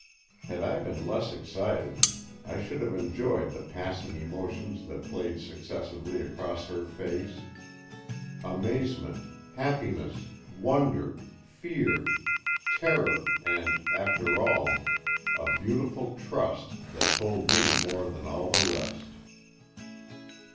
Had I been less excited, I should have enjoyed the passing emotions that played successively across her face. Amazement, happiness, wonder, fear, terror and after all, a beautiful trust, that told me more than all the rest.